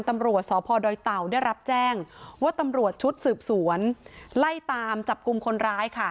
ตำรวจสพดอยเต่าได้รับแจ้งว่าตำรวจชุดสืบสวนไล่ตามจับกลุ่มคนร้ายค่ะ